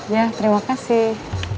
ya terima kasih